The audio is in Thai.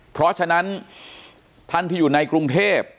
เพราะฉะนั้นท่านที่อยู่ในกรุงเทพ